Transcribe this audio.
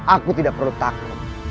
aku tidak perlu takut